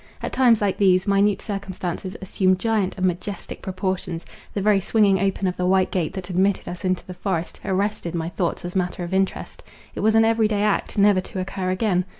At times like these, minute circumstances assume giant and majestic proportions; the very swinging open of the white gate that admitted us into the forest, arrested my thoughts as matter of interest; it was an every day act, never to occur again!